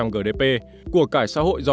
gdp của cải xã hội do